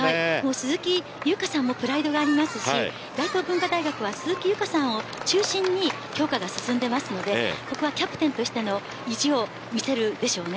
鈴木さんもプライドがありますし大東文化大学は鈴木さんを中心に強化が進んでいますのでここはキャプテンとしての意地を見せるでしょうね。